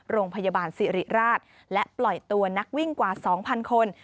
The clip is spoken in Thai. โรงพยาบาลสิริราชและปล่อยตัวนักวิ่งกว่า๒๐๐คน